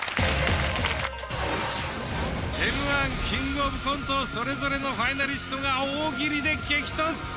Ｍ−１「キングオブコント」それぞれのファイナリストが大喜利で激突。